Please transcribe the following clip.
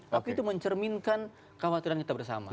tapi itu mencerminkan kekhawatiran kita bersama